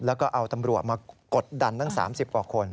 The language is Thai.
แล้วก็เอาตำรวจมากดดันตั้ง๓๐กว่าคน